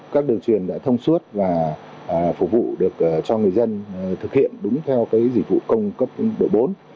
các đường truyền đã thông suốt và phục vụ được cho người dân thực hiện đúng theo dịch vụ công cấp độ bốn